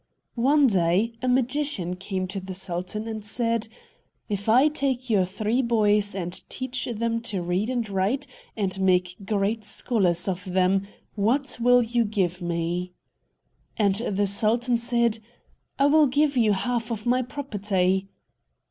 One day a magician came to the sultan and said, "If I take your three boys and teach them to read and write, and make great scholars of them, what will you give me?" And the sultan said, "I will give you half of my property."